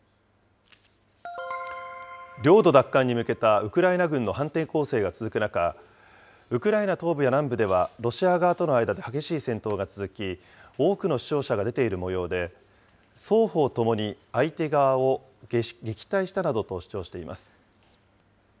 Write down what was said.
領土奪還に向けたウクライナ軍の反転攻勢が続く中、ウクライナ東部や南部では、ロシア側との間で激しい戦闘が続き、多くの死傷者が出ているもようで、双方ともに相手側を撃退したなどと主張しています。